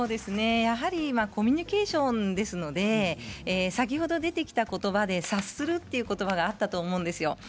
コミュニケーションですので、先ほど出てきたことばで察するというのがあったと思うんですよ。